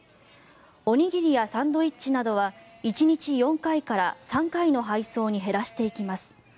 おにぎりやサンドイッチなどは１日４回から３回の配送に減らしていきます。